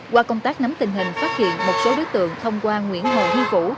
qua công tác nắm tình hình phát hiện một số đối tượng thông qua nguyễn hồ huy vũ